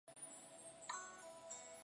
奥白泷号志站石北本线上的号志站。